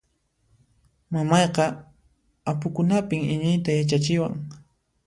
Mamayqa apukunapin iñiyta yachachiwan.